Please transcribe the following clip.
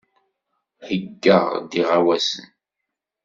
Heyyaɣ-d iɣawasen.